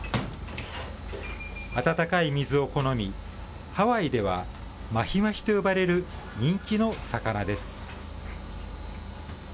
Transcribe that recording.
温かい水を好み、ハワイではマヒマヒと呼ばれる人気の魚です。